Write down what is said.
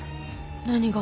何が？